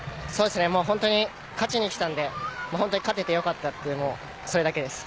本当に勝ちに来たので本当に勝ててよかったというそれだけです。